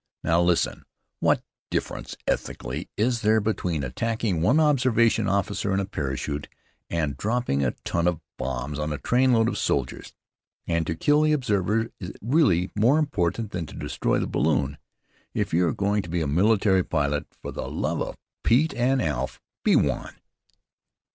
Now, listen! What difference, ethically, is there, between attacking one observation officer in a parachute, and dropping a ton of bombs on a train load of soldiers? And to kill the observers is really more important than to destroy the balloon. If you are going to be a military pilot, for the love of Pete and Alf be one!"